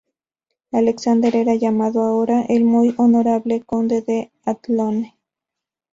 Alexander era llamado ahora" el Muy Honorable" Conde de Athlone.